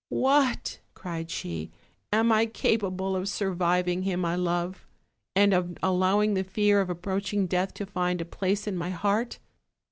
"What," cried she, "am I capa ble of surviving him I love, and of allowing the fear of approaching death to find a place in my heart?